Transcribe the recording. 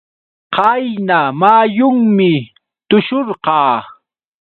Qayna muyunmi tushurqaa.